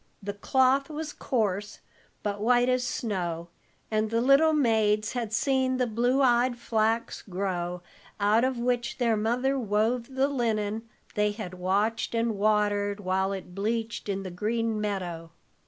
The cloth was coarse, but white as snow, and the little maids had seen the blue eyed flax grow, out of which their mother wove the linen they had watched and watered while it bleached in the green meadow.